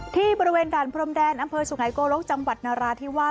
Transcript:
ที่บริเวณด่านพรมแดนอำเภอสุไงโกลกจังหวัดนราธิวาส